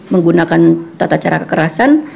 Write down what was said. menggunakan tata cara kekerasan